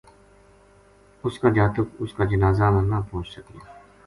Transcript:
اس کا جاتک اس کا جنازہ ما نہ پوہچ سکیا